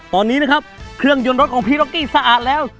ตอนนี้นะครับเครื่องยนต์รถของพี่ร็อกกี้สะอาดแล้ว